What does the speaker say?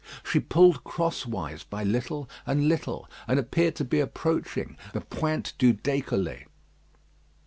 She pulled crosswise by little and little, and appeared to be approaching the Pointe du Décollé.